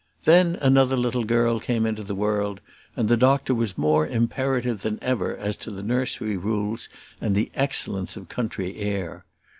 Then another little girl came into the world, and the doctor was more imperative than ever as to the nursery rules and the excellence of country air.